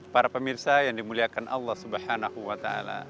para pemirsa yang dimuliakan allah swt